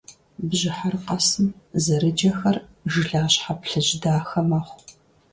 Бжьыхьэр къэсым зэрыджэхэр жылащхьэ плъыжь дахэ мэхъу.